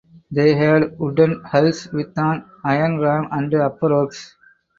They had wooden hulls with an iron ram and upper works.